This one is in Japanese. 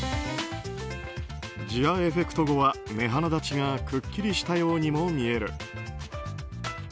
ジアエフェクト後は目鼻立ちがくっきりしたようにも見える。